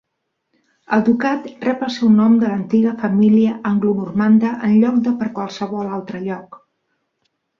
El ducat rep el seu nom de l'antiga família anglonormanda en lloc de per qualsevol altre lloc.